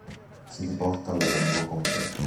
Si riporta l'elenco completo:-